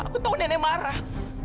aku tahu nenek marah